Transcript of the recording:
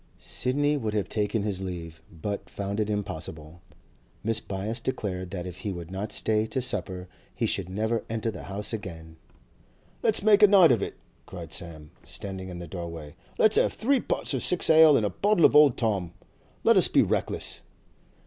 Sidney would have taken his leave, but found it impossible. Mrs. Byass declared that if he would not stay to supper he should never enter the house again. 'Let's make a night of it!' cried Sam, standing in the doorway. 'Let's have three pots of six ale and a bottle of old Tom! Let us be reckless!